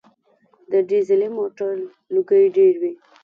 د ډیزلي موټر لوګی ډېر وي.